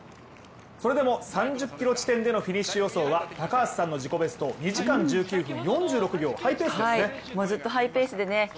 それでも３０ｋｍ地点でのフィニッシュ予想は高橋さんの自己ベスト２時間１９分４６秒、ハイペースですね。